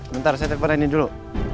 bentar saya terparah ini dulu